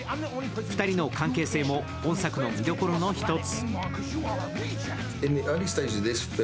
２人の関係性も本作の見どころの一つ。